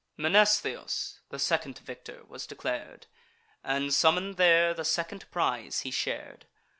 Mnestheus the second victor was declar'd; And, summon'd there, the second prize he shar'd.